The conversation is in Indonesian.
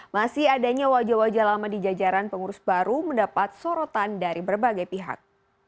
masih adanya wajah wajah lama di jajaran pengurus baru mendapat sorotan dari berbagai pihak